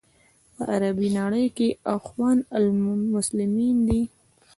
په عربي نړۍ کې اخوان المسلمین دي.